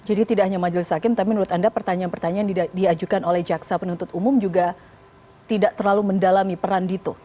jadi tidak hanya majelis hakim tapi menurut anda pertanyaan pertanyaan yang diajukan oleh jaksa penuntut umum juga tidak terlalu mendalami peran itu